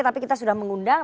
tapi kita sudah mengundang